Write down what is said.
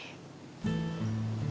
heeh emang kayak gitu bre